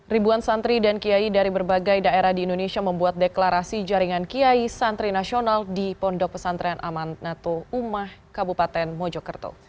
ribuan santri dan kiai dari berbagai daerah di indonesia membuat deklarasi jaringan kiai santri nasional di pondok pesantren aman natu umah kabupaten mojokerto